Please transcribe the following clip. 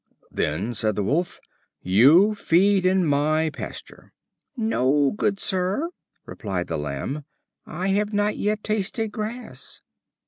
Then said the Wolf: "You feed in my pasture." "No, good sir," replied the Lamb, "I have not yet tasted grass."